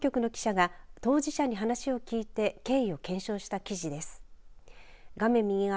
長野放送局の記者が当事者に話を聞いて経緯を検証した記事です。